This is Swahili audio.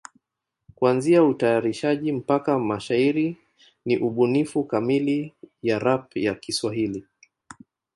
Kuanzia utayarishaji mpaka mashairi ni ubunifu kamili ya rap ya Kiswahili.